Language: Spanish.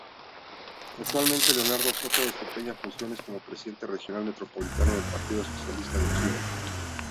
Actualmente Leonardo Soto desempeña funciones como Presidente Regional Metropolitano del Partido Socialista de Chile.